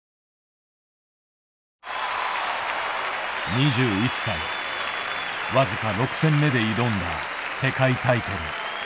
２１歳、僅か６戦目で挑んだ世界タイトル。